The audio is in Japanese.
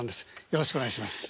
よろしくお願いします。